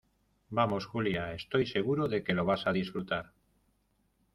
vamos, Julia , estoy seguro de que lo vas a disfrutar.